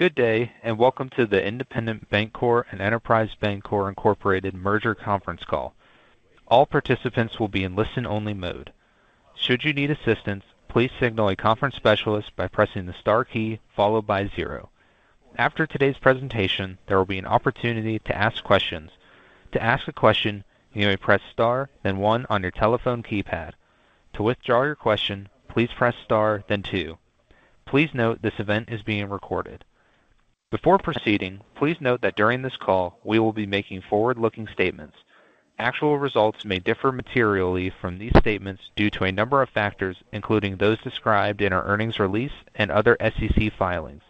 Good day, and welcome to the Independent Bank Corp.'s and Enterprise Bancorp, Inc.'s merger conference call. All participants will be in listen-only mode. Should you need assistance, please signal a conference specialist by pressing the star key followed by zero. After today's presentation, there will be an opportunity to ask questions. To ask a question, you may press star, then one on your telephone keypad. To withdraw your question, please press star, then two. Please note this event is being recorded. Before proceeding, please note that during this call, we will be making forward-looking statements. Actual results may differ materially from these statements due to a number of factors, including those described in our earnings release and other SEC filings.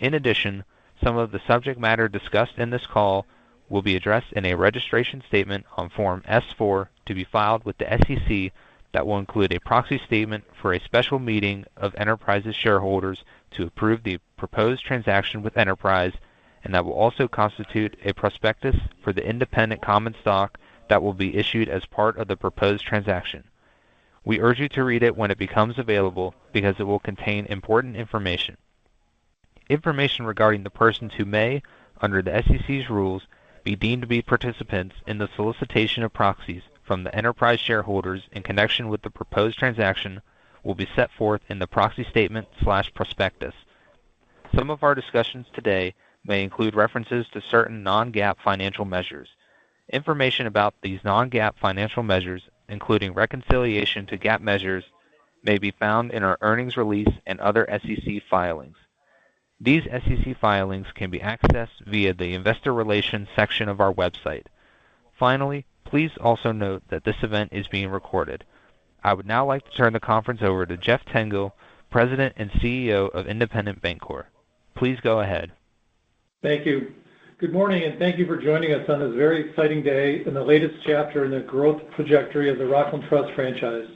In addition, some of the subject matter discussed in this call will be addressed in a registration statement on Form S-4 to be filed with the SEC that will include a proxy statement for a special meeting of Enterprise's shareholders to approve the proposed transaction with Enterprise, and that will also constitute a prospectus for the Independent common stock that will be issued as part of the proposed transaction. We urge you to read it when it becomes available because it will contain important information. Information regarding the persons who may, under the SEC's rules, be deemed to be participants in the solicitation of proxies from the Enterprise shareholders in connection with the proposed transaction will be set forth in the proxy statement/prospectus. Some of our discussions today may include references to certain non-GAAP financial measures. Information about these non-GAAP financial measures, including reconciliation to GAAP measures, may be found in our earnings release and other SEC filings. These SEC filings can be accessed via the investor relations section of our website. Finally, please also note that this event is being recorded. I would now like to turn the conference over to Jeffrey Tengel, President and CEO of Independent Bank Corp. Please go ahead. Thank you. Good morning, and thank you for joining us on this very exciting day in the latest chapter in the growth trajectory of the Rockland Trust franchise.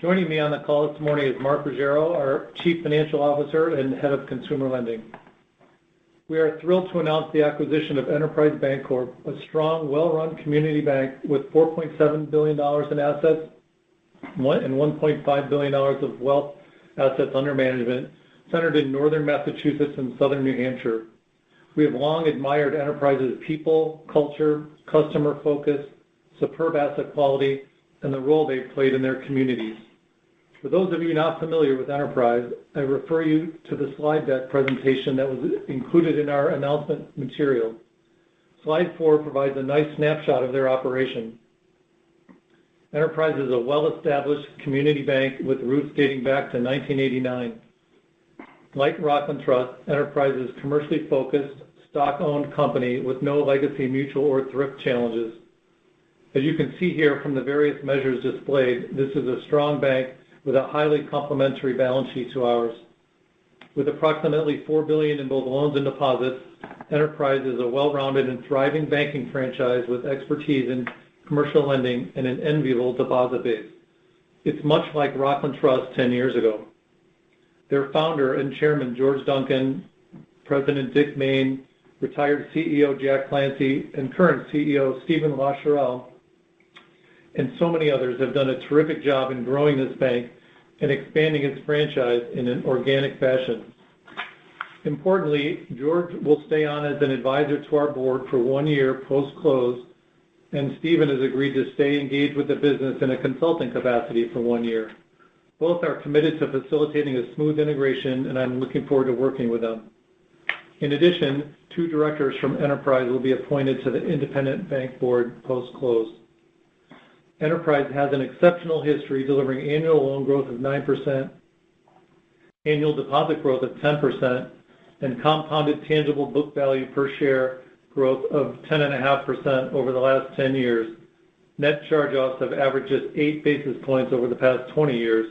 Joining me on the call this morning is Mark Ruggiero, our Chief Financial Officer and Head of Consumer Lending. We are thrilled to announce the acquisition of Enterprise Bancorp, a strong, well-run community bank with $4.7 billion in assets and $1.5 billion of wealth assets under management, centered in northern Massachusetts and southern New Hampshire. We have long admired Enterprise's people, culture, customer focus, superb asset quality, and the role they've played in their communities. For those of you not familiar with Enterprise, I refer you to the slide deck presentation that was included in our announcement material. Slide four provides a nice snapshot of their operation. Enterprise is a well-established community bank with roots dating back to 1989. Like Rockland Trust, Enterprise is a commercially focused, stock-owned company with no legacy mutual or thrift challenges. As you can see here from the various measures displayed, this is a strong bank with a highly complementary balance sheet to ours. With approximately $4 billion in both loans and deposits, Enterprise is a well-rounded and thriving banking franchise with expertise in commercial lending and an enviable deposit base. It's much like Rockland Trust 10 years ago. Their founder and chairman, George Duncan, President Dick Main, retired CEO Jack Clancy, and current CEO Steven Larochelle, and so many others have done a terrific job in growing this bank and expanding its franchise in an organic fashion. Importantly, George will stay on as an advisor to our board for one year post-close, and Steven has agreed to stay engaged with the business in a consulting capacity for one year. Both are committed to facilitating a smooth integration, and I'm looking forward to working with them. In addition, two directors from Enterprise will be appointed to the Independent Bank board post-close. Enterprise has an exceptional history delivering annual loan growth of 9%, annual deposit growth of 10%, and compounded tangible book value per share growth of 10.5% over the last 10 years. Net charge-offs have averaged just eight basis points over the past 20 years.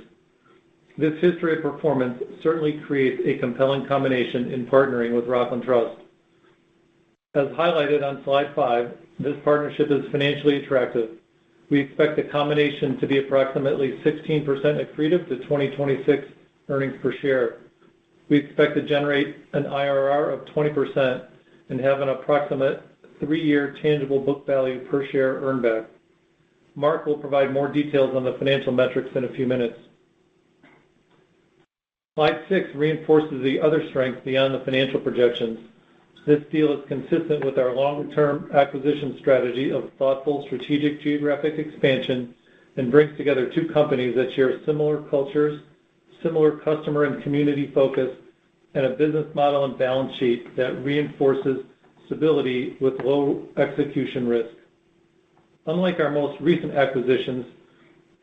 This history of performance certainly creates a compelling combination in partnering with Rockland Trust. As highlighted on slide five, this partnership is financially attractive. We expect the combination to be approximately 16% accretive to 2026 earnings per share. We expect to generate an IRR of 20% and have an approximate three-year tangible book value per share earn back. Mark will provide more details on the financial metrics in a few minutes. Slide six reinforces the other strengths beyond the financial projections. This deal is consistent with our longer-term acquisition strategy of thoughtful strategic geographic expansion and brings together two companies that share similar cultures, similar customer and community focus, and a business model and balance sheet that reinforces stability with low execution risk. Unlike our most recent acquisitions,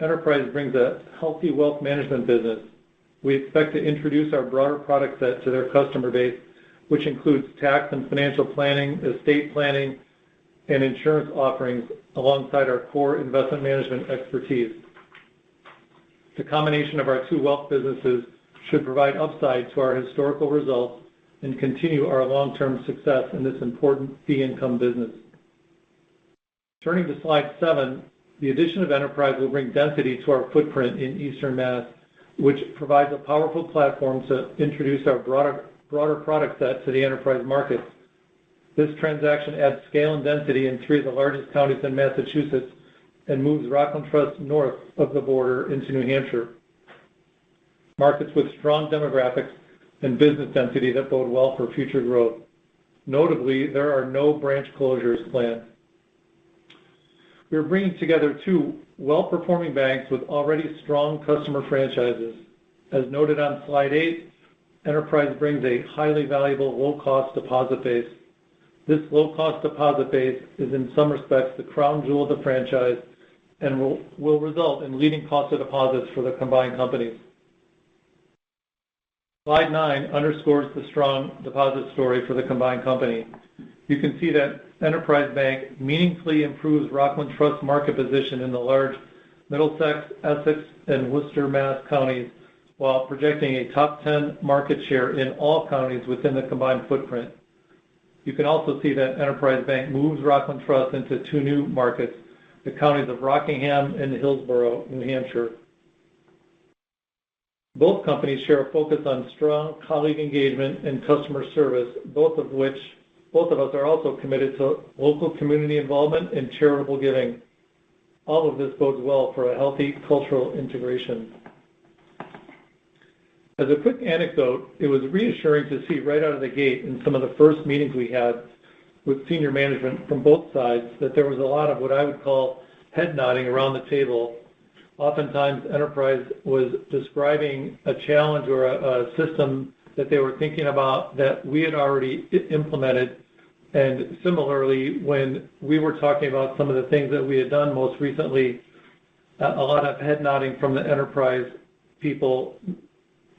Enterprise brings a healthy wealth management business. We expect to introduce our broader product set to their customer base, which includes tax and financial planning, estate planning, and insurance offerings alongside our core investment management expertise. The combination of our two wealth businesses should provide upside to our historical results and continue our long-term success in this important fee-income business. Turning to slide seven, the addition of Enterprise will bring density to our footprint in Eastern Mass, which provides a powerful platform to introduce our broader product set to the Enterprise markets. This transaction adds scale and density in three of the largest counties in Massachusetts and moves Rockland Trust north of the border into New Hampshire. Markets with strong demographics and business density that bode well for future growth. Notably, there are no branch closures planned. We are bringing together two well-performing banks with already strong customer franchises. As noted on slide eight, Enterprise brings a highly valuable low-cost deposit base. This low-cost deposit base is, in some respects, the crown jewel of the franchise and will result in leading costs of deposits for the combined companies. Slide nine underscores the strong deposit story for the combined company. You can see that Enterprise Bank meaningfully improves Rockland Trust's market position in the large Middlesex, Essex, and Worcester Mass counties while projecting a top 10 market share in all counties within the combined footprint. You can also see that Enterprise Bank moves Rockland Trust into two new markets, the counties of Rockingham and Hillsborough, New Hampshire. Both companies share a focus on strong colleague engagement and customer service, both of which we are also committed to local community involvement and charitable giving. All of this bodes well for a healthy cultural integration. As a quick anecdote, it was reassuring to see right out of the gate in some of the first meetings we had with senior management from both sides that there was a lot of what I would call head nodding around the table. Oftentimes, Enterprise was describing a challenge or a system that they were thinking about that we had already implemented. And similarly, when we were talking about some of the things that we had done most recently, a lot of head nodding from the Enterprise people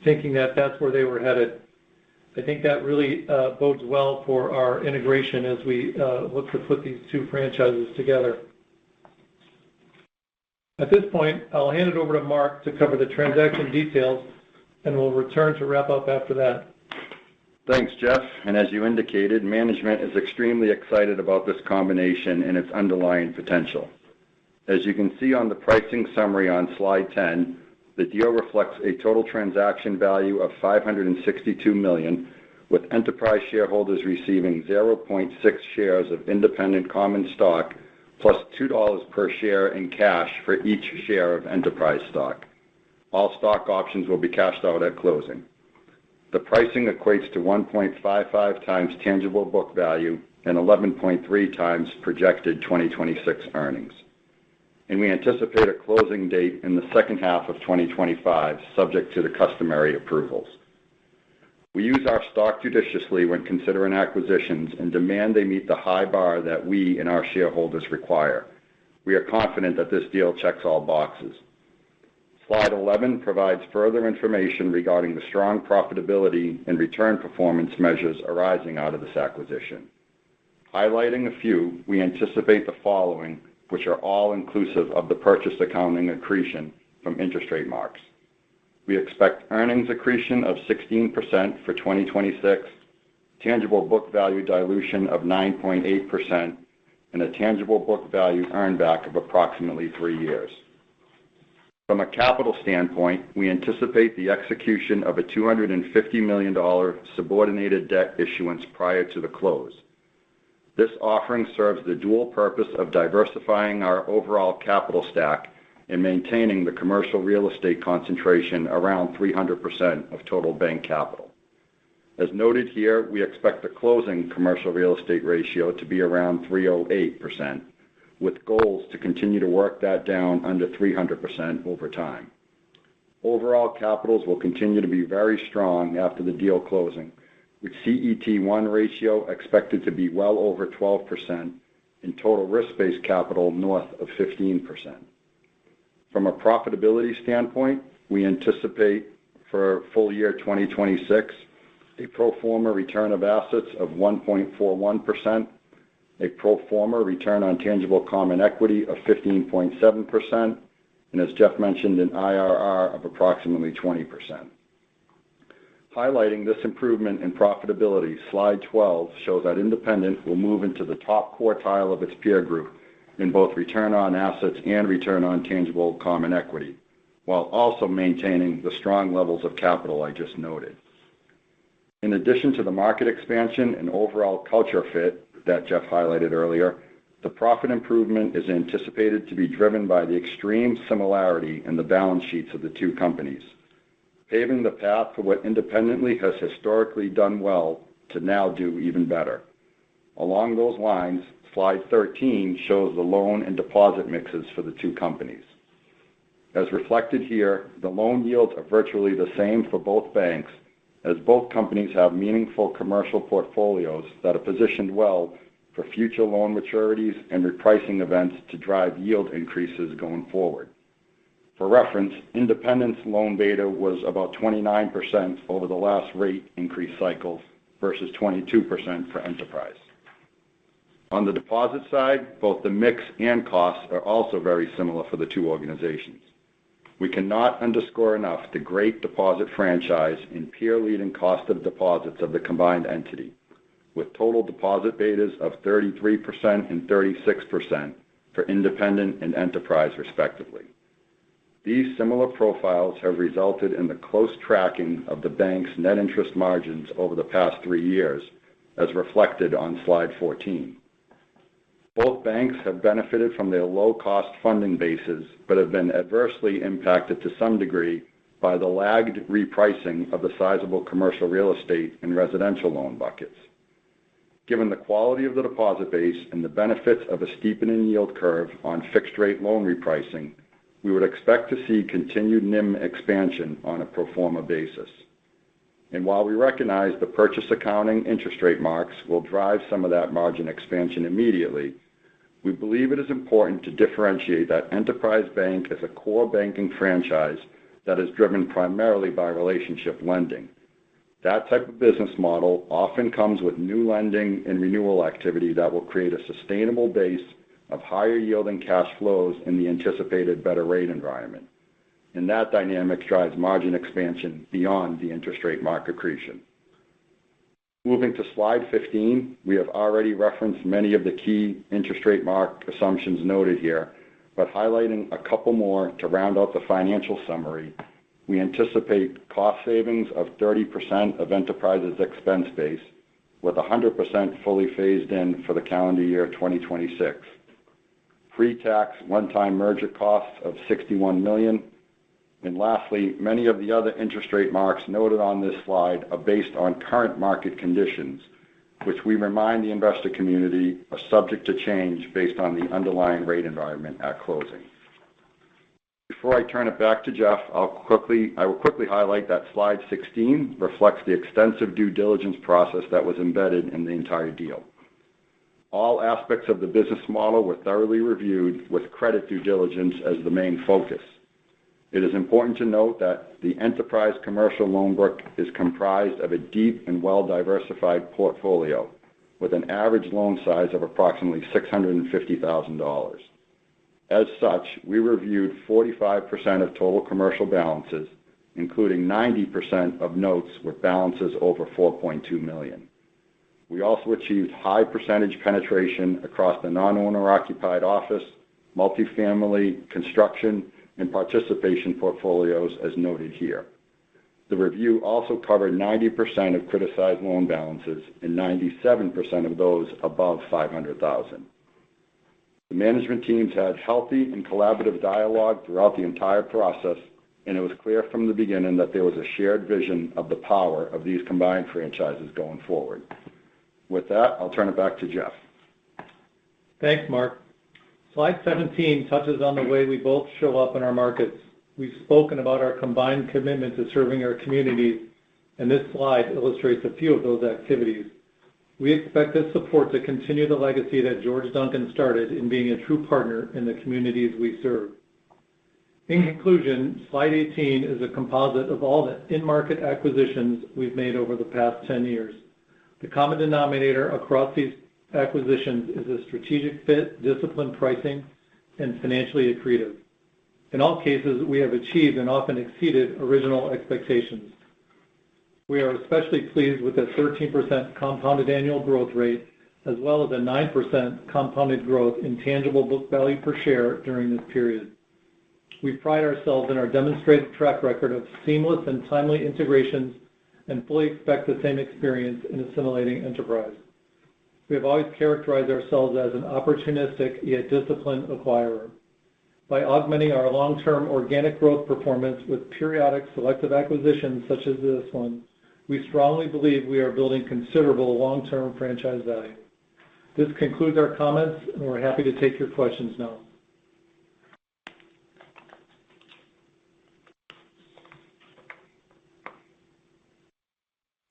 thinking that that's where they were headed. I think that really bodes well for our integration as we look to put these two franchises together. At this point, I'll hand it over to Mark to cover the transaction details, and we'll return to wrap up after that. Thanks, Jeffrey, and as you indicated, management is extremely excited about this combination and its underlying potential. As you can see on the pricing summary on slide 10, the deal reflects a total transaction value of $562 million, with Enterprise shareholders receiving 0.6 shares of Independent common stock plus $2 per share in cash for each share of Enterprise stock. All stock options will be cashed out at closing. The pricing equates to 1.55 times tangible book value and 11.3 times projected 2026 earnings, and we anticipate a closing date in the second half of 2025, subject to the customary approvals. We use our stock judiciously when considering acquisitions and demand they meet the high bar that we and our shareholders require. We are confident that this deal checks all boxes. Slide 11 provides further information regarding the strong profitability and return performance measures arising out of this acquisition. Highlighting a few, we anticipate the following, which are all inclusive of the purchase accounting accretion from interest rate marks. We expect earnings accretion of 16% for 2026, tangible book value dilution of 9.8%, and a tangible book value earn back of approximately three years. From a capital standpoint, we anticipate the execution of a $250 million subordinated debt issuance prior to the close. This offering serves the dual purpose of diversifying our overall capital stack and maintaining the commercial real estate concentration around 300% of total bank capital. As noted here, we expect the closing commercial real estate ratio to be around 308%, with goals to continue to work that down under 300% over time. Overall capital will continue to be very strong after the deal closing, with CET1 ratio expected to be well over 12% and total risk-based capital north of 15%. From a profitability standpoint, we anticipate for full year 2026 a pro forma return on assets of 1.41%, a pro forma return on tangible common equity of 15.7%, and as Jeffrey mentioned, an IRR of approximately 20%. Highlighting this improvement in profitability, slide 12 shows that Independent will move into the top quartile of its peer group in both return on assets and return on tangible common equity while also maintaining the strong levels of capital I just noted. In addition to the market expansion and overall culture fit that Jeffrey highlighted earlier, the profit improvement is anticipated to be driven by the extreme similarity in the balance sheets of the two companies, paving the path to what Independent has historically done well to now do even better. Along those lines, slide 13 shows the loan and deposit mixes for the two companies. As reflected here, the loan yields are virtually the same for both banks as both companies have meaningful commercial portfolios that are positioned well for future loan maturities and repricing events to drive yield increases going forward. For reference, Independent's loan beta was about 29% over the last rate increase cycles versus 22% for Enterprise. On the deposit side, both the mix and costs are also very similar for the two organizations. We cannot underscore enough the great deposit franchise and peer-leading cost of deposits of the combined entity, with total deposit betas of 33% and 36% for Independent and Enterprise respectively. These similar profiles have resulted in the close tracking of the bank's net interest margins over the past three years, as reflected on slide 14. Both banks have benefited from their low-cost funding bases but have been adversely impacted to some degree by the lagged repricing of the sizable commercial real estate and residential loan buckets. Given the quality of the deposit base and the benefits of a steepening yield curve on fixed-rate loan repricing, we would expect to see continued NIM expansion on a pro forma basis. And while we recognize the purchase accounting interest rate marks will drive some of that margin expansion immediately, we believe it is important to differentiate that Enterprise Bank as a core banking franchise that is driven primarily by relationship lending. That type of business model often comes with new lending and renewal activity that will create a sustainable base of higher yielding cash flows in the anticipated better rate environment. And that dynamic drives margin expansion beyond the interest rate mark accretion. Moving to slide 15, we have already referenced many of the key interest rate mark assumptions noted here, but highlighting a couple more to round out the financial summary, we anticipate cost savings of 30% of Enterprise's expense base with 100% fully phased in for the calendar year 2026, pre-tax one-time merger costs of $61 million, and lastly, many of the other interest rate marks noted on this slide are based on current market conditions, which we remind the investor community are subject to change based on the underlying rate environment at closing. Before I turn it back to Jeffrey, I'll quickly highlight that slide 16 reflects the extensive due diligence process that was embedded in the entire deal. All aspects of the business model were thoroughly reviewed with credit due diligence as the main focus. It is important to note that the Enterprise commercial loan book is comprised of a deep and well-diversified portfolio with an average loan size of approximately $650,000. As such, we reviewed 45% of total commercial balances, including 90% of notes with balances over $4.2 million. We also achieved high percentage penetration across the non-owner-occupied office, multifamily, construction, and participation portfolios as noted here. The review also covered 90% of criticized loan balances and 97% of those above $500,000. The management teams had healthy and collaborative dialogue throughout the entire process, and it was clear from the beginning that there was a shared vision of the power of these combined franchises going forward. With that, I'll turn it back to Jeffrey. Thanks, Mark. Slide 17 touches on the way we both show up in our markets. We've spoken about our combined commitment to serving our communities, and this slide illustrates a few of those activities. We expect this support to continue the legacy that George Duncan started in being a true partner in the communities we serve. In conclusion, slide 18 is a composite of all the in-market acquisitions we've made over the past 10 years. The common denominator across these acquisitions is a strategic fit, disciplined pricing, and financially accretive. In all cases, we have achieved and often exceeded original expectations. We are especially pleased with the 13% compounded annual growth rate, as well as a 9% compounded growth in tangible book value per share during this period. We pride ourselves in our demonstrated track record of seamless and timely integrations and fully expect the same experience in assimilating Enterprise. We have always characterized ourselves as an opportunistic yet disciplined acquirer. By augmenting our long-term organic growth performance with periodic selective acquisitions such as this one, we strongly believe we are building considerable long-term franchise value. This concludes our comments, and we're happy to take your questions now.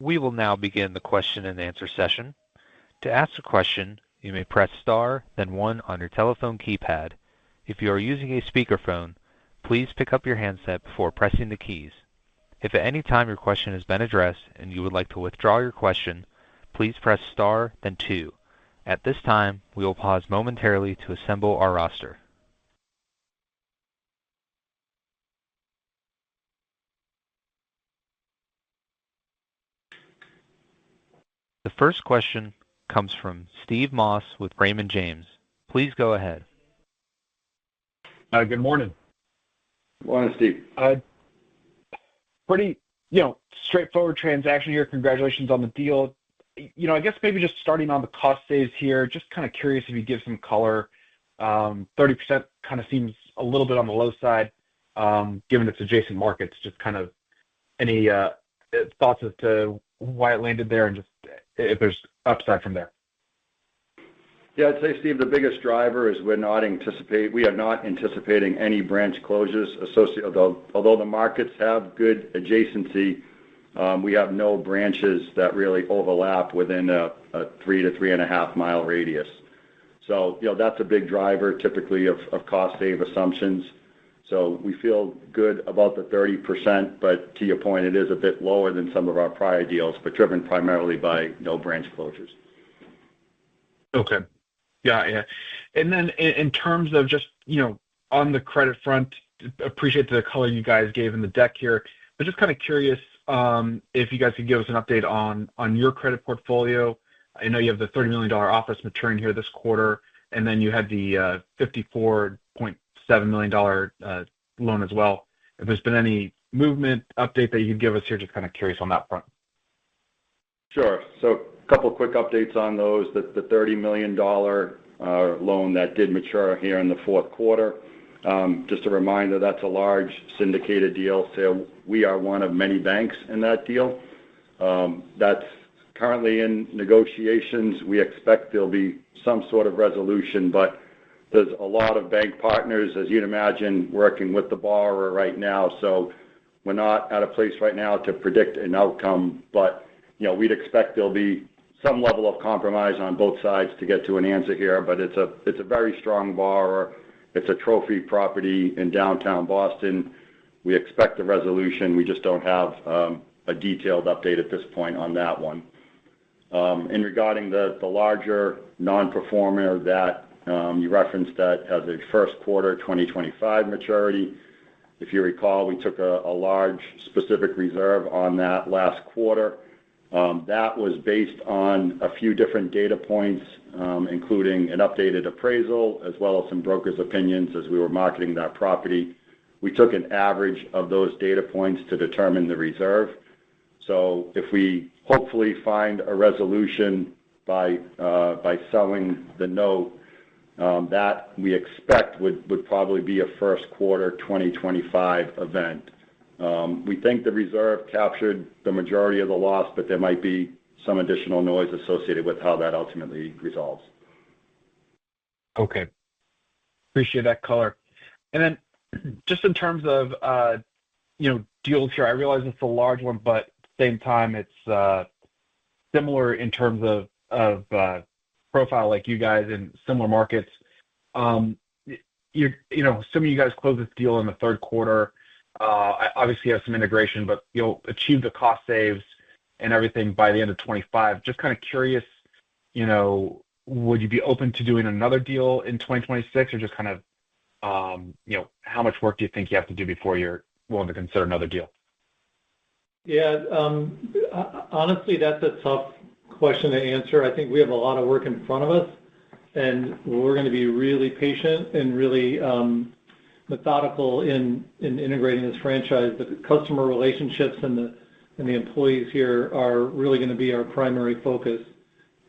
We will now begin the question and answer session. To ask a question, you may press star, then one on your telephone keypad. If you are using a speakerphone, please pick up your handset before pressing the keys. If at any time your question has been addressed and you would like to withdraw your question, please press star, then two. At this time, we will pause momentarily to assemble our roster. The first question comes from Steve Moss with Raymond James. Please go ahead. Good morning. Good morning, Steve. Pretty straightforward transaction here. Congratulations on the deal. I guess maybe just starting on the cost saves here, just kind of curious if you give some color. 30% kind of seems a little bit on the low side given its adjacent markets. Just kind of any thoughts as to why it landed there and just if there's upside from there. Yeah, I'd say, Steve, the biggest driver is we are not anticipating any branch closures. Although the markets have good adjacency, we have no branches that really overlap within a three- to three-and-a-half-mile radius. So that's a big driver typically of cost savings assumptions. So we feel good about the 30%, but to your point, it is a bit lower than some of our prior deals, but driven primarily by no branch closures. Okay. Yeah, yeah. And then in terms of just on the credit front, appreciate the color you guys gave in the deck here. But just kind of curious if you guys can give us an update on your credit portfolio. I know you have the $30 million office maturing here this quarter, and then you had the $54.7 million loan as well. If there's been any movement, update that you can give us here, just kind of curious on that front. Sure. So a couple of quick updates on those. The $30 million loan that did mature here in the fourth quarter, just a reminder, that's a large syndicated deal. So we are one of many banks in that deal. That's currently in negotiations. We expect there'll be some sort of resolution, but there's a lot of bank partners, as you'd imagine, working with the borrower right now. So we're not at a place right now to predict an outcome, but we'd expect there'll be some level of compromise on both sides to get to an answer here. But it's a very strong borrower. It's a trophy property in downtown Boston. We expect the resolution. We just don't have a detailed update at this point on that one. Regarding the larger non-performer that you referenced that as a first quarter 2025 maturity, if you recall, we took a large specific reserve on that last quarter. That was based on a few different data points, including an updated appraisal, as well as some broker's opinions as we were marketing that property. We took an average of those data points to determine the reserve. So if we hopefully find a resolution by selling the note, that we expect would probably be a first quarter 2025 event. We think the reserve captured the majority of the loss, but there might be some additional noise associated with how that ultimately resolves. Okay. Appreciate that color and then just in terms of deals here, I realize it's a large one, but at the same time, it's similar in terms of profile like you guys in similar markets. Assuming you guys close this deal in the third quarter, obviously you have some integration, but you'll achieve the cost saves and everything by the end of 2025. Just kind of curious, would you be open to doing another deal in 2026, or just kind of how much work do you think you have to do before you're willing to consider another deal? Yeah. Honestly, that's a tough question to answer. I think we have a lot of work in front of us, and we're going to be really patient and really methodical in integrating this franchise. The customer relationships and the employees here are really going to be our primary focus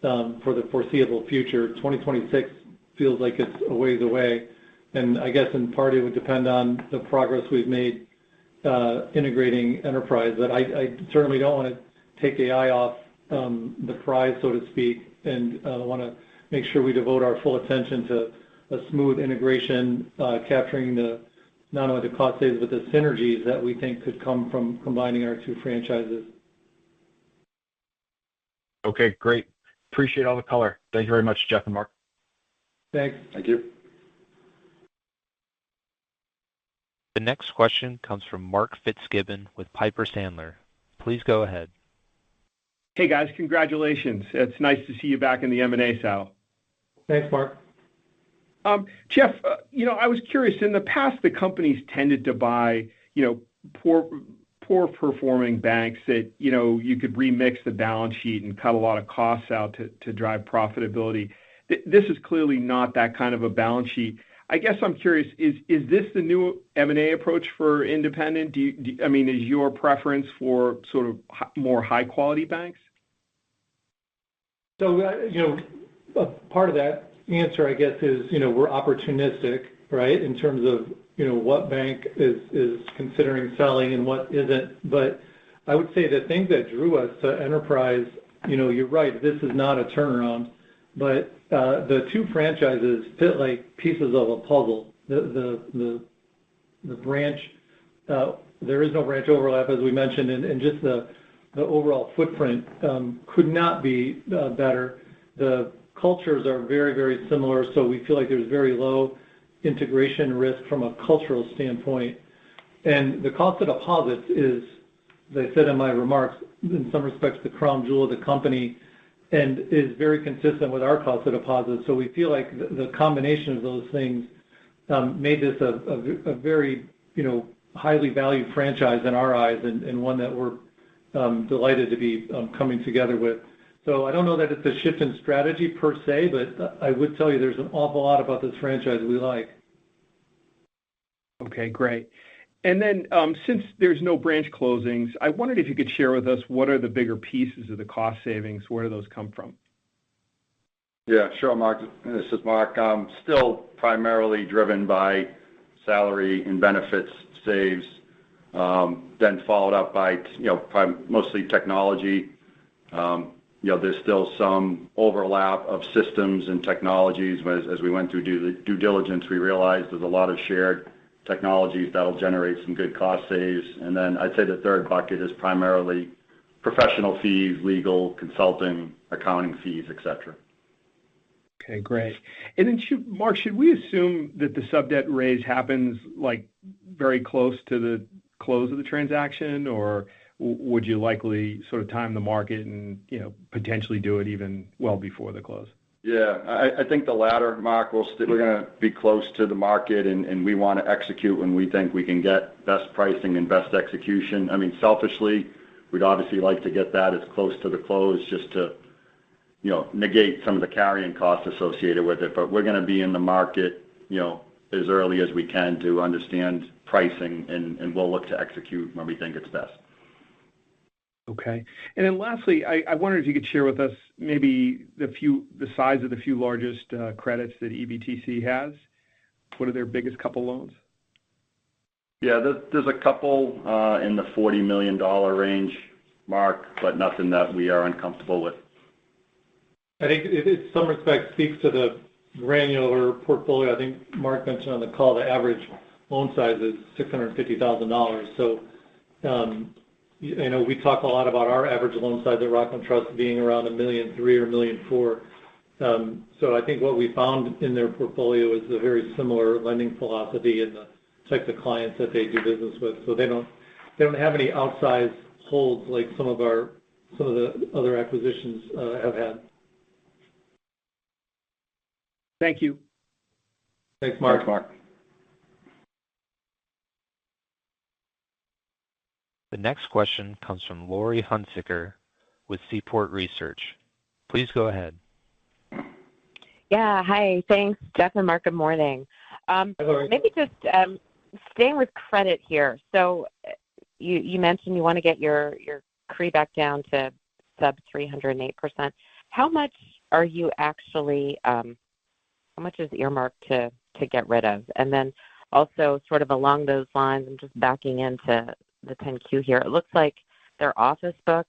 for the foreseeable future. 2026 feels like it's a ways away. And I guess in part, it would depend on the progress we've made integrating Enterprise. But I certainly don't want to take my eye off the prize, so to speak, and want to make sure we devote our full attention to a smooth integration, capturing not only the cost savings, but the synergies that we think could come from combining our two franchises. Okay, great. Appreciate all the color. Thank you very much, Jeffrey and Mark. Thanks. Thank you. The next question comes from Mark Fitzgibbon with Piper Sandler. Please go ahead. Hey, guys. Congratulations. It's nice to see you back in the M&A space. Thanks, Mark. Jeffrey, I was curious. In the past, the companies tended to buy poor-performing banks that you could remix the balance sheet and cut a lot of costs out to drive profitability. This is clearly not that kind of a balance sheet. I guess I'm curious, is this the new M&A approach for Independent? I mean, is your preference for sort of more high-quality banks? So part of that answer, I guess, is we're opportunistic, right, in terms of what bank is considering selling and what isn't. But I would say the thing that drew us to Enterprise, you're right, this is not a turnaround. But the two franchises fit like pieces of a puzzle. The branch, there is no branch overlap, as we mentioned, and just the overall footprint could not be better. The cultures are very, very similar, so we feel like there's very low integration risk from a cultural standpoint. And the cost of deposits is, as I said in my remarks, in some respects, the crown jewel of the company and is very consistent with our cost of deposits. So we feel like the combination of those things made this a very highly valued franchise in our eyes and one that we're delighted to be coming together with. So I don't know that it's a shift in strategy per se, but I would tell you there's an awful lot about this franchise we like. Okay, great. And then, since there's no branch closings, I wondered if you could share with us what are the bigger pieces of the cost savings, where do those come from? Yeah, sure, Mark. This is Mark. Still primarily driven by salary and benefits saves, then followed up by mostly technology. There's still some overlap of systems and technologies. As we went through due diligence, we realized there's a lot of shared technologies that'll generate some good cost saves, and then I'd say the third bucket is primarily professional fees, legal, consulting, accounting fees, etc. Okay, great, and Mark, should we assume that the sub-debt raise happens very close to the close of the transaction, or would you likely sort of time the market and potentially do it even well before the close? Yeah. I think the latter, Mark, we're going to be close to the market, and we want to execute when we think we can get best pricing and best execution. I mean, selfishly, we'd obviously like to get that as close to the close just to negate some of the carrying cost associated with it. But we're going to be in the market as early as we can to understand pricing, and we'll look to execute when we think it's best. Okay. And then lastly, I wondered if you could share with us maybe the size of the few largest credits that EBTC has. What are their biggest couple of loans? Yeah, there's a couple in the $40 million range, Mark, but nothing that we are uncomfortable with. I think in some respects, speaks to the granular portfolio. I think Mark mentioned on the call, the average loan size is $650,000. So we talk a lot about our average loan size at Rockland Trust being around $1.3 million or $1.4 million. So I think what we found in their portfolio is a very similar lending philosophy and the type of clients that they do business with. So they don't have any outsized holds like some of the other acquisitions have had. Thank you. Thanks, Mark. Thanks, Mark. The next question comes from Laurie Hunsicker with Seaport Research. Please go ahead. Yeah. Hi, thanks, Jeffrey and Mark. Good morning. Maybe just staying with credit here. So you mentioned you want to get your CRE back down to sub 308%. How much is actually earmarked to get rid of? And then also sort of along those lines, I'm just backing into the 10-Q here. It looks like their office book,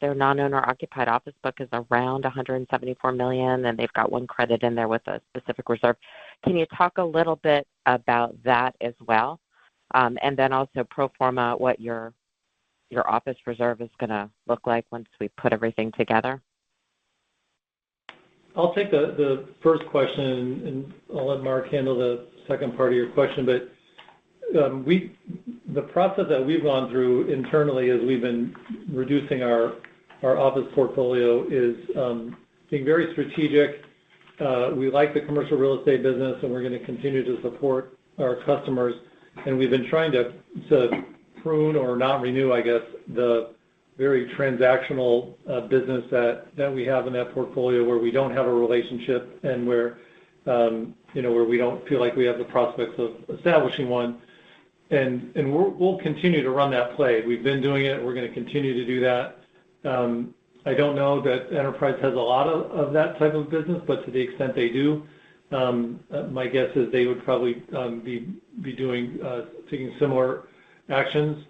their non-owner-occupied office book is around $174 million, and they've got one credit in there with a specific reserve. Can you talk a little bit about that as well? And then also pro forma, what your office reserve is going to look like once we put everything together? I'll take the first question, and I'll let Mark handle the second part of your question, but the process that we've gone through internally as we've been reducing our office portfolio is being very strategic. We like the commercial real estate business, and we're going to continue to support our customers, and we've been trying to prune or not renew, I guess, the very transactional business that we have in that portfolio where we don't have a relationship and where we don't feel like we have the prospects of establishing one, and we'll continue to run that play. We've been doing it. We're going to continue to do that. I don't know that Enterprise has a lot of that type of business, but to the extent they do, my guess is they would probably be taking similar actions,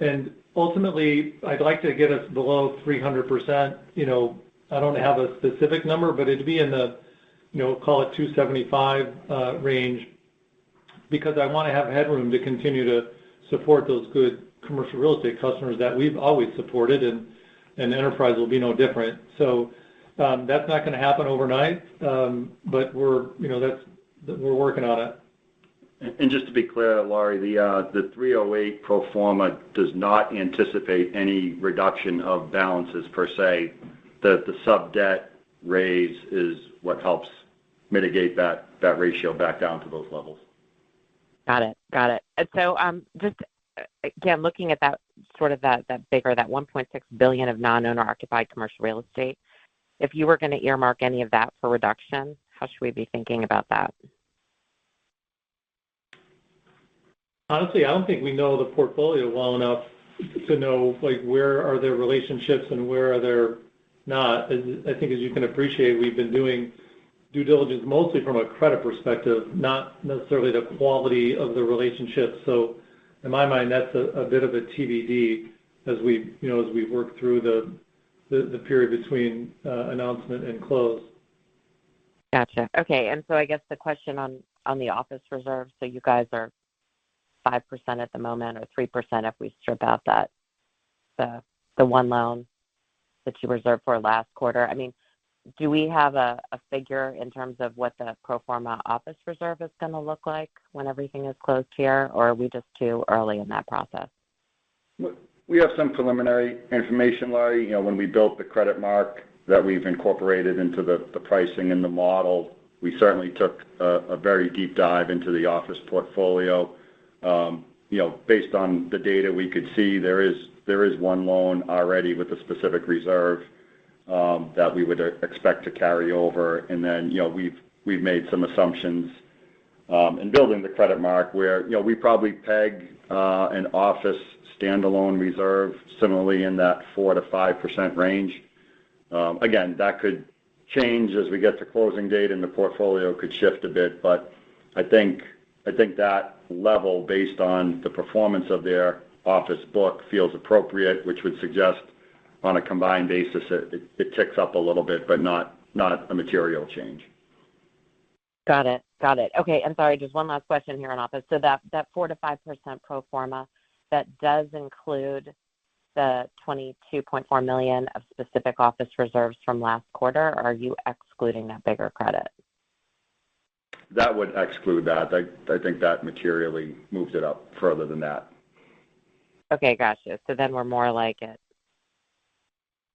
and ultimately, I'd like to get us below 300%. I don't have a specific number, but it'd be in the, call it, 275 range because I want to have headroom to continue to support those good commercial real estate customers that we've always supported, and Enterprise will be no different. So that's not going to happen overnight, but we're working on it. Just to be clear, Laurie, the 308 pro forma does not anticipate any reduction of balances per se. The sub-debt raise is what helps mitigate that ratio back down to those levels. Got it. Got it. And so just, again, looking at that sort of that bigger, that $1.6 billion of non-owner-occupied commercial real estate, if you were going to earmark any of that for reduction, how should we be thinking about that? Honestly, I don't think we know the portfolio well enough to know where are their relationships and where are they not. I think, as you can appreciate, we've been doing due diligence mostly from a credit perspective, not necessarily the quality of the relationship. So in my mind, that's a bit of a TBD as we work through the period between announcement and close. Gotcha. Okay. And so I guess the question on the office reserve, so you guys are 5% at the moment or 3% if we strip out the one loan that you reserved for last quarter. I mean, do we have a figure in terms of what the pro forma office reserve is going to look like when everything is closed here, or are we just too early in that process? We have some preliminary information, Lori. When we built the credit mark that we've incorporated into the pricing and the model, we certainly took a very deep dive into the office portfolio. Based on the data we could see, there is one loan already with a specific reserve that we would expect to carry over. And then we've made some assumptions in building the credit mark where we probably peg an office standalone reserve similarly in that 4%-5% range. Again, that could change as we get to closing date, and the portfolio could shift a bit. But I think that level, based on the performance of their office book, feels appropriate, which would suggest on a combined basis, it ticks up a little bit, but not a material change. Got it. Got it. Okay. I'm sorry, just one last question here on office. So that 4%-5% pro forma that does include the $22.4 million of specific office reserves from last quarter, are you excluding that bigger credit? That would exclude that. I think that materially moved it up further than that. Okay. Gotcha. So then we're more like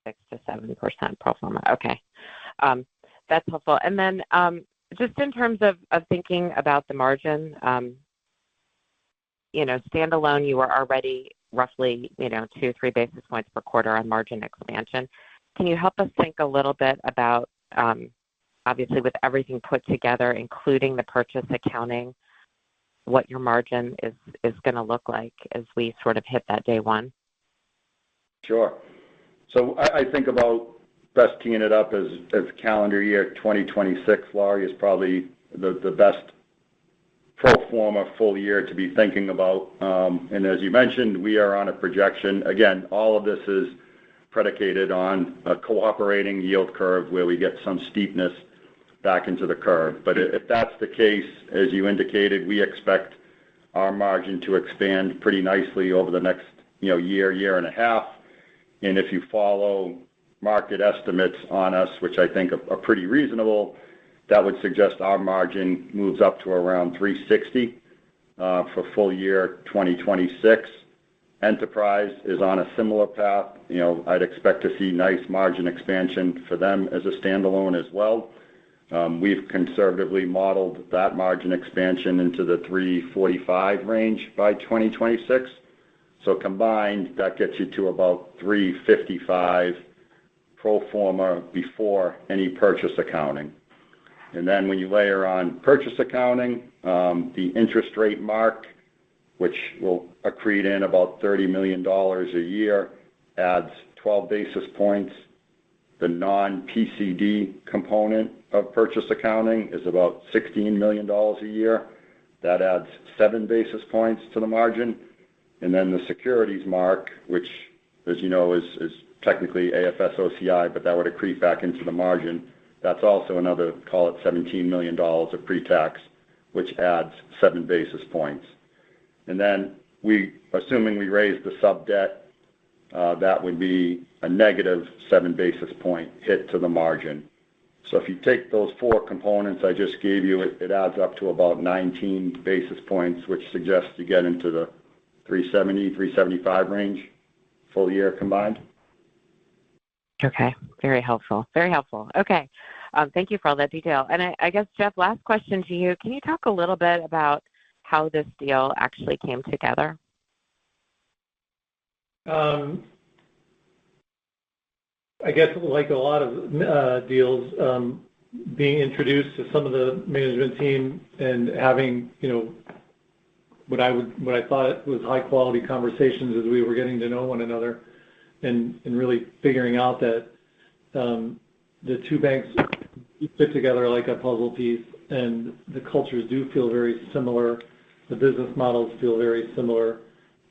at 6%-7% pro forma. Okay. That's helpful. And then just in terms of thinking about the margin, standalone, you were already roughly two, three basis points per quarter on margin expansion. Can you help us think a little bit about, obviously, with everything put together, including the purchase accounting, what your margin is going to look like as we sort of hit that day one? Sure. So I think about best keying it up as calendar year 2026, Lori, is probably the best pro forma full year to be thinking about. And as you mentioned, we are on a projection. Again, all of this is predicated on a cooperating yield curve where we get some steepness back into the curve. But if that's the case, as you indicated, we expect our margin to expand pretty nicely over the next year, year and a half. And if you follow market estimates on us, which I think are pretty reasonable, that would suggest our margin moves up to around 360 for full year 2026. Enterprise is on a similar path. I'd expect to see nice margin expansion for them as a standalone as well. We've conservatively modeled that margin expansion into the 345 range by 2026. Combined, that gets you to about 355 pro forma before any purchase accounting. And then when you layer on purchase accounting, the interest rate mark, which will accrete in about $30 million a year, adds 12 basis points. The non-PCD component of purchase accounting is about $16 million a year. That adds 7 basis points to the margin. And then the securities mark, which, as you know, is technically AFS OCI, but that would accrete back into the margin. That's also another, call it, $17 million of pre-tax, which adds 7 basis points. And then assuming we raise the sub-debt, that would be a negative 7 basis point hit to the margin. So if you take those four components I just gave you, it adds up to about 19 basis points, which suggests you get into the 370-375 range full year combined. Okay. Very helpful. Very helpful. Okay. Thank you for all that detail, and I guess, Jeffrey, last question to you. Can you talk a little bit about how this deal actually came together? I guess, like a lot of deals, being introduced to some of the management team and having what I thought was high-quality conversations as we were getting to know one another and really figuring out that the two banks fit together like a puzzle piece, and the cultures do feel very similar. The business models feel very similar.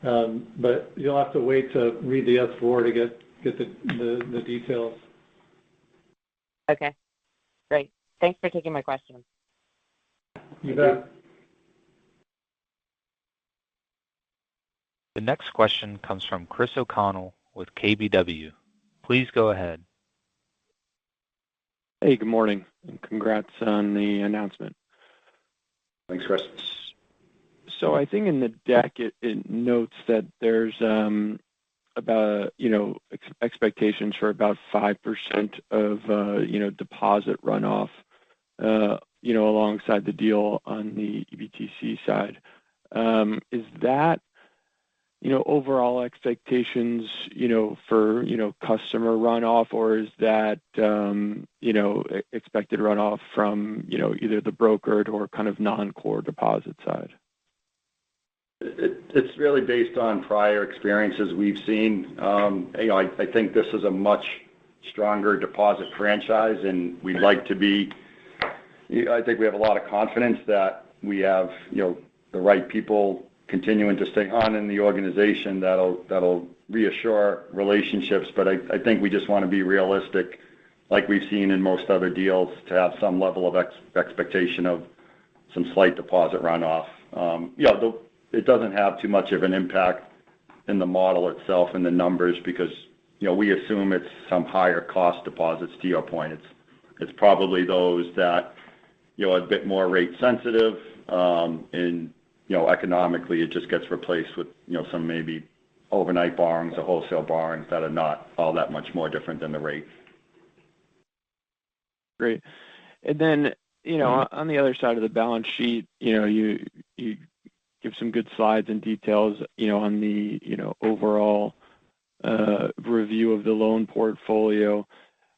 But you'll have to wait to read the S-4 to get the details. Okay. Great. Thanks for taking my question. You bet. The next question comes from Chris O'Connell with KBW. Please go ahead. Hey, good morning, and congrats on the announcement. Thanks, Chris. So I think in the deck, it notes that there's expectations for about 5% of deposit runoff alongside the deal on the EBTC side. Is that overall expectations for customer runoff, or is that expected runoff from either the brokered or kind of non-core deposit side? It's really based on prior experiences we've seen. I think this is a much stronger deposit franchise, and we'd like to be. I think we have a lot of confidence that we have the right people continuing to stay on in the organization that'll reassure relationships. But I think we just want to be realistic, like we've seen in most other deals, to have some level of expectation of some slight deposit runoff. It doesn't have too much of an impact in the model itself and the numbers because we assume it's some higher-cost deposits, to your point. It's probably those that are a bit more rate-sensitive. Economically, it just gets replaced with some maybe overnight borrowings, the wholesale borrowings that are not all that much more different than the rate. Great. And then on the other side of the balance sheet, you give some good slides and details on the overall review of the loan portfolio.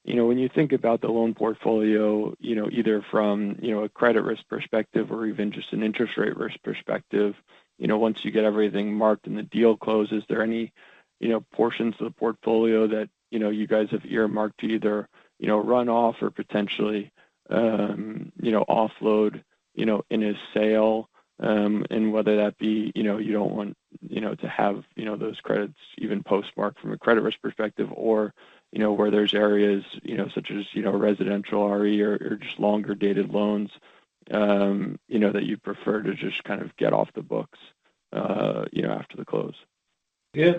When you think about the loan portfolio, either from a credit risk perspective or even just an interest rate risk perspective, once you get everything marked and the deal closes, are there any portions of the portfolio that you guys have earmarked to either runoff or potentially offload in a sale? And whether that be you don't want to have those credits even postmarked from a credit risk perspective, or where there's areas such as residential RE or just longer-dated loans that you'd prefer to just kind of get off the books after the close? Yeah.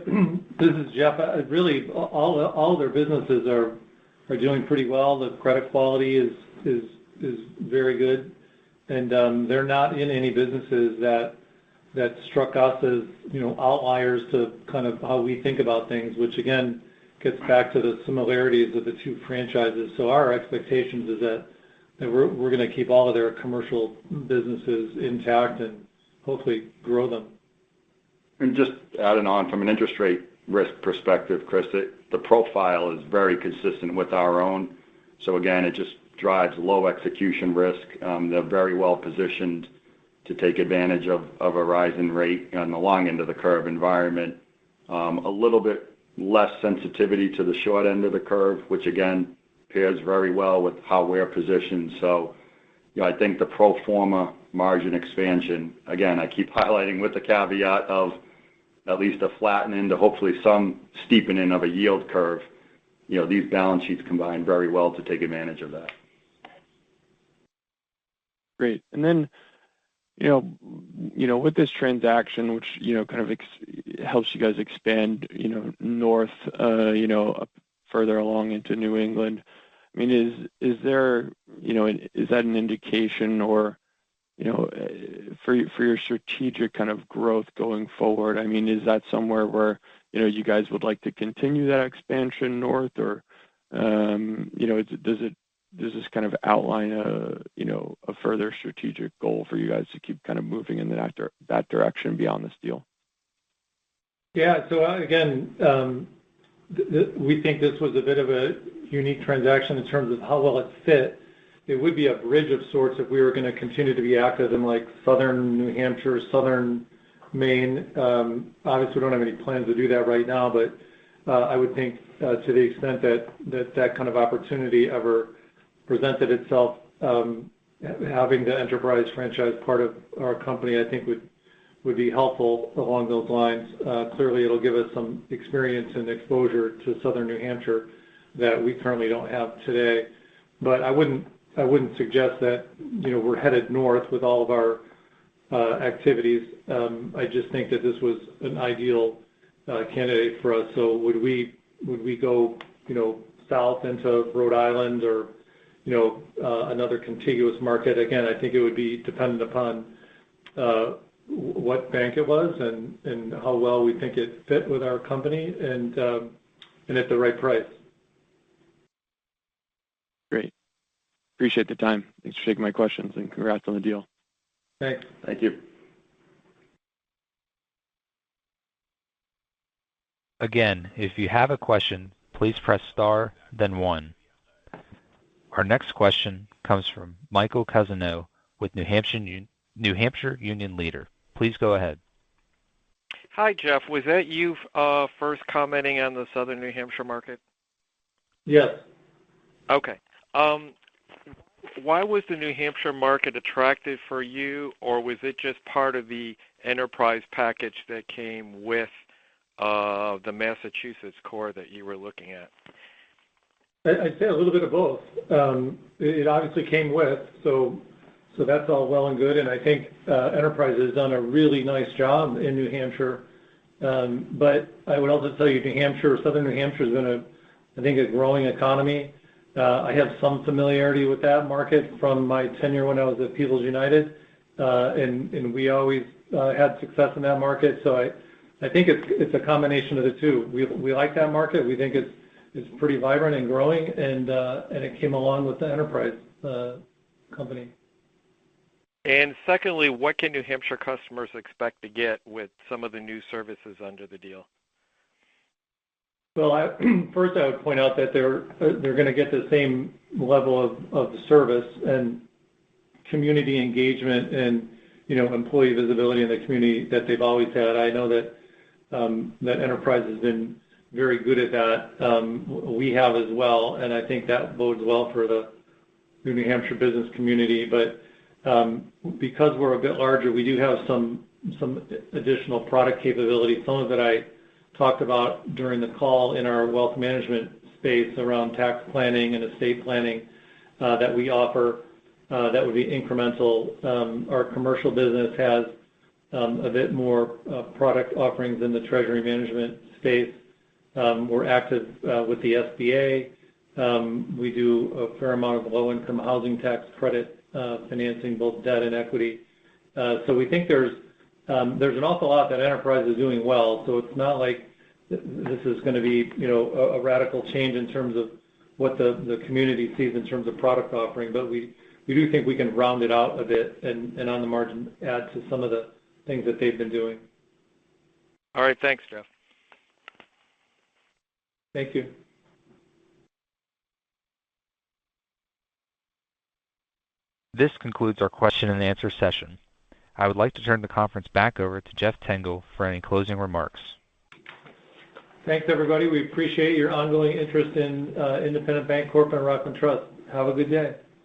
This is Jeffrey. Really, all of their businesses are doing pretty well. The credit quality is very good. And they're not in any businesses that struck us as outliers to kind of how we think about things, which, again, gets back to the similarities of the two franchises. So our expectation is that we're going to keep all of their commercial businesses intact and hopefully grow them. And just adding on from an interest rate risk perspective, Chris, the profile is very consistent with our own. So again, it just drives low execution risk. They're very well positioned to take advantage of a rising rate on the long end of the curve environment. A little bit less sensitivity to the short end of the curve, which, again, pairs very well with how we're positioned. So I think the pro forma margin expansion, again, I keep highlighting with the caveat of at least a flattening to hopefully some steepening of a yield curve. These balance sheets combine very well to take advantage of that. Great. And then with this transaction, which kind of helps you guys expand north further along into New England, I mean, is there, is that an indication for your strategic kind of growth going forward? I mean, is that somewhere where you guys would like to continue that expansion north, or does this kind of outline a further strategic goal for you guys to keep kind of moving in that direction beyond this deal? Yeah. So again, we think this was a bit of a unique transaction in terms of how well it fit. It would be a bridge of sorts if we were going to continue to be active in Southern New Hampshire, Southern Maine. Obviously, we don't have any plans to do that right now, but I would think to the extent that that kind of opportunity ever presented itself, having the Enterprise franchise part of our company, I think would be helpful along those lines. Clearly, it'll give us some experience and exposure to Southern New Hampshire that we currently don't have today. But I wouldn't suggest that we're headed north with all of our activities. I just think that this was an ideal candidate for us. So would we go south into Rhode Island or another contiguous market? Again, I think it would be dependent upon what bank it was and how well we think it fit with our company and at the right price. Great. Appreciate the time. Thanks for taking my questions. And congrats on the deal. Thanks. Thank you. Again, if you have a question, please press star, then one. Our next question comes from Michael Cousineau with New Hampshire Union Leader. Please go ahead. Hi, Jeffrey. Was that you first commenting on the Southern New Hampshire market? Yes. Okay. Why was the New Hampshire market attractive for you, or was it just part of the enterprise package that came with the Massachusetts core that you were looking at? I'd say a little bit of both. It obviously came with. So that's all well and good. And I think Enterprise has done a really nice job in New Hampshire. But I would also tell you New Hampshire, Southern New Hampshire has been, I think, a growing economy. I have some familiarity with that market from my tenure when I was at People's United. And we always had success in that market. So I think it's a combination of the two. We like that market. We think it's pretty vibrant and growing. And it came along with the Enterprise company. Secondly, what can New Hampshire customers expect to get with some of the new services under the deal? First, I would point out that they're going to get the same level of service and community engagement and employee visibility in the community that they've always had. I know that Enterprise has been very good at that. We have as well. And I think that bodes well for the New Hampshire business community. But because we're a bit larger, we do have some additional product capability. Some of it I talked about during the call in our wealth management space around tax planning and estate planning that we offer that would be incremental. Our commercial business has a bit more product offerings in the treasury management space. We're active with the SBA. We do a fair amount of low-income housing tax credit financing, both debt and equity. So we think there's an awful lot that Enterprise is doing well. It's not like this is going to be a radical change in terms of what the community sees in terms of product offering. We do think we can round it out a bit and on the margin add to some of the things that they've been doing. All right. Thanks, Jeffrey. Thank you. This concludes our question-and-answer session. I would like to turn the conference back over to Jeffrey Tengel for any closing remarks. Thanks, everybody. We appreciate your ongoing interest in Independent Bank Corp. and Rockland Trust. Have a good day.